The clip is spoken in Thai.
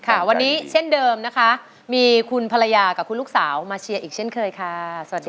ค่ะวันนี้เช่นเดิมนะคะมีคุณภรรยากับคุณลูกสาวมาเชียร์อีกเช่นเคยค่ะสวัสดีค่ะ